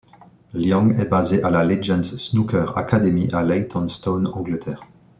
Liang est basé à la Legends Snooker Academy à Leytonstone, Angleterre.